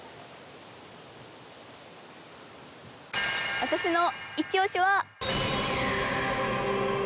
私のいちオシは。